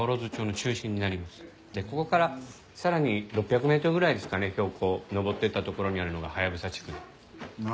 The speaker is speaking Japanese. でここからさらに６００メートルぐらいですかね標高登っていった所にあるのがハヤブサ地区です。